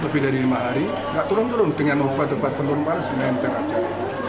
lebih dari lima hari tidak turun turun dengan obat obat penumpang semuanya teracar